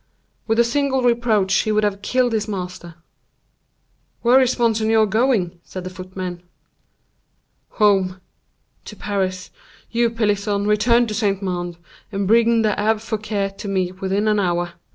With a single reproach he would have killed his master. "Where is monseigneur going?" said the footman. "Home—to Paris. You, Pelisson, return to Saint Mande, and bring the Abbe Fouquet to me within an hour.